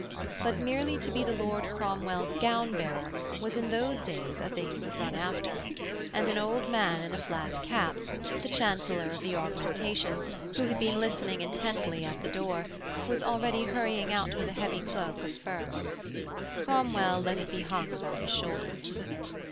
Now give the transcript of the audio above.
But merely to be the Lord Cromwell's gown bearer was in those days a thing you would run after; and an old man in a flat cap the Chancellor of the Augmentations, who had been listening intently at the door was already hurrying out with a heavy cloak of fur. Cromwell let it be hung about his shoulders.